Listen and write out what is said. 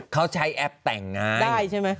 เขาใช้แอปแต่งงานได้ใช่ไหม